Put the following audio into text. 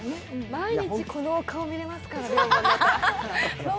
毎日この顔見れますから、現場で。